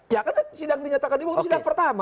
ya kan itu sidang dinyatakan dibuka itu sidang pertama